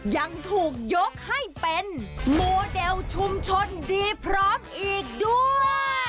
ยังถูกยกให้เป็นโมเดลชุมชนดีพร้อมอีกด้วย